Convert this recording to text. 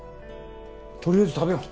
とりあえず食べよう